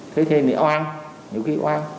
thế thì thì oan nhiều khi oan